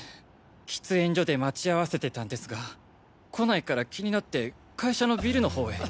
喫煙所で待ち合わせてたんですが来ないから気になって会社のビルのほうへ。